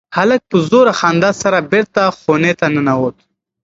هلک په زوره خندا سره بېرته خونې ته ننوت.